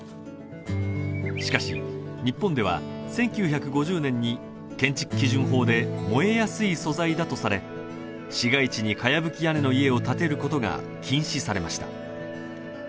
しかし、日本では１９５０年に建築基準法で燃えやすい素材だとされ市街地にかやぶき屋根の家を建てることが禁止されました